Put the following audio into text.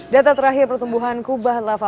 data terakhir pertumbuhan kubah lava